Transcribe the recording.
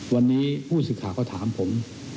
วันนี้ผู้ศึกษาเขาถามผม